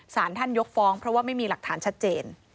สารท่านยกฟ้องเพราะว่าไม่มีหลักฐานชัดเจน